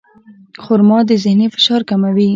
خرما د ذهني فشار کموي.